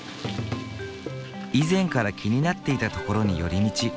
以前から気になっていた所に寄り道。